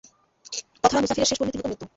পথহারা মুসাফিরের শেষ পরিণতি হতো মৃত্যু।